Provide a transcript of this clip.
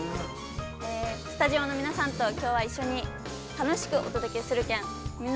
スタジオの皆さんときょうは一緒に楽しくお届けするけん